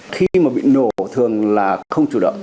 khi mà bị nổ thường là không chủ động